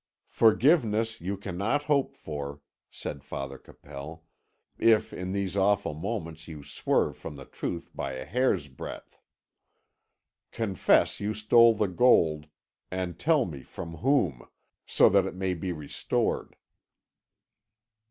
"Forgiveness you cannot hope for," said Father Capel, "if in these awful moments you swerve from the truth by a hair's breadth. Confess you stole the gold, and tell me from whom, so that it may be restored."